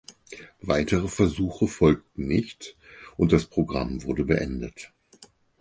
Weitere Versuche folgten nicht und das Programm wurde beendet.